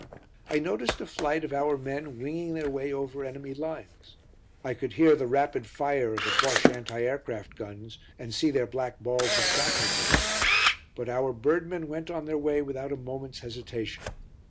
I noticed a flight of our men winging their way over enemy lines. I could hear the rapid fire of the Bosche anti aircraft guns, and see their black balls of shrapnel burst. But our birdmen went on their way without a moment's hesitation.